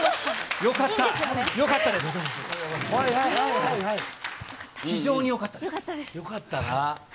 よかったな。